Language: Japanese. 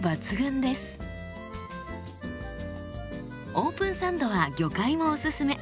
オープンサンドは魚介もおすすめ。